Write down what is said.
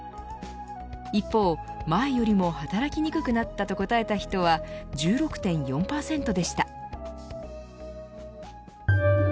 一方、前よりも働きにくくなったと答えた人は１６．４％でした。